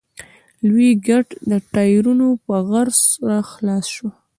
لوی ګټ د ټايرونو په غژس راخلاص شو.